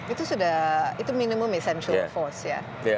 itu sudah itu minimum essential force ya